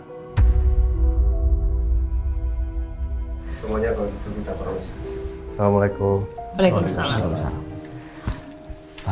semuanya buat kita